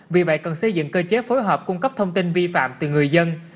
vì vậy cần xây dựng cơ chế phối hợp cung cấp thông tin vi phạm từ người dân